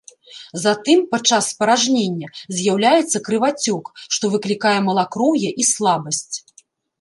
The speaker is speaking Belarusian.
Затым падчас спаражнення з'яўляецца крывацёк, што выклікае малакроўе і слабасць.